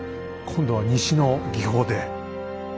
今度は西の技法で。